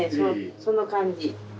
その感じ。